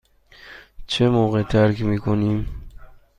چه موقع ترک می کنیم؟